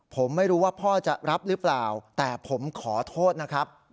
ผมไม่รู้ว่าพ่อจะรับหรือเปล่าแต่ผมขอโทษนะครับ